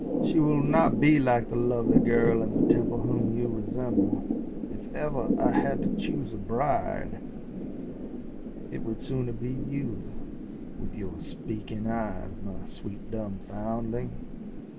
She will not be like the lovely girl in the Temple whom you resemble. If ever I had to choose a bride it would sooner be you with your speaking eyes, my sweet, dumb foundling!"